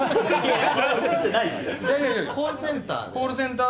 コールセンター。